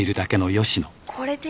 これで？